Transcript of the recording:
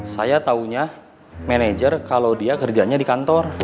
saya tahunya manajer kalau dia kerjanya di kantor